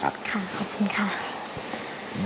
ค่ะขอบคุณค่ะ